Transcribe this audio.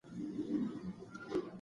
سره زر هيڅکله خپل رنګ او ارزښت نه بدلوي.